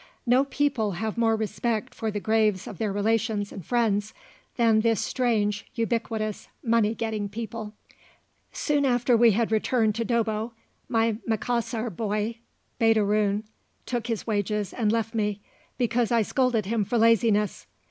No people have more respect for the graves of their relations and friends than this strange, ubiquitous, money getting people. Soon after we had returned to Dobbo, my Macassar boy, Baderoon, took his wages and left me, because I scolded him for laziness.